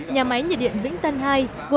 nhà máy nhiệt điện vĩnh tân ii